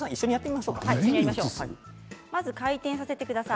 まず、回転させてください。